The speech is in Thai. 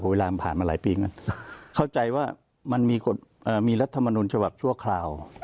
เวลามันผ่านมาหลายปีไงเข้าใจว่ามันมีรัฐมนุนฉบับชั่วคราว